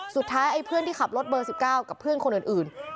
สุดท้ายเพื่อนที่ขับรถเบอร์สิบเก้ากับเพื่อนคนอื่น